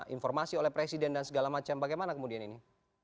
informasi oleh presiden dan segala macam bagaimana kemudian ini